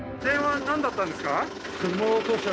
なんだったんですか？